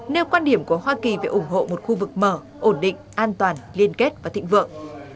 nêu quan điểm của hoa kỳ về ủng hộ một khu vực mở ổn định an toàn liên kết và thịnh vượng